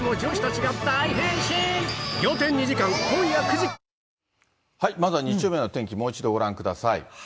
わかるぞまずは日曜日のお天気、もう一度ご覧ください。